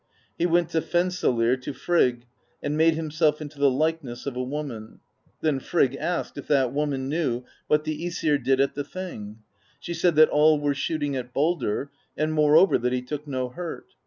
He went to Fensalir to Frigg, and made himself into the likeness of a woman. Then Frigg asked if that woman knew what the yEsir did at the Thing. She said that all were shooting at Baldr, and more over, that he took no hurt.